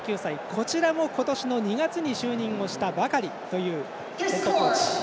こちらも今年の２月に就任をしたばかりというヘッドコーチ。